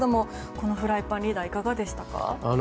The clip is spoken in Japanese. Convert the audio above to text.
このフライパンリーダーいかがでしたか？